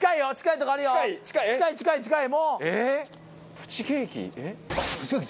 プチケーキ